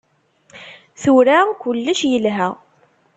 Tura kullec yelha.